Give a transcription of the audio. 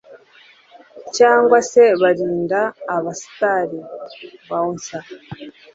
cyngwa se barinda aba star(bouncers